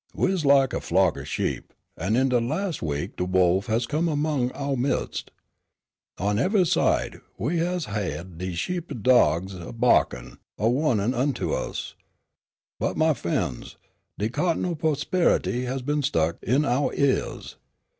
We is lak a flock o' sheep, an' in de las' week de wolf has come among ouah midst. On evah side we has hyeahd de shephe'd dogs a ba'kin' a wa'nin' unto us. But, my f'en's, de cotton o' p'ospe'ity has been stuck in ouah eahs.